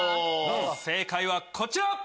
正解はこちら！